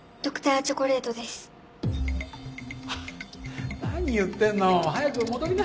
アハ何言ってんの早く戻りな！